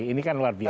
ini kan luar biasa